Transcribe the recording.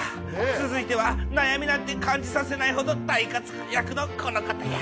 続いては、悩みなんて感じさせないほど大活躍のこの方や。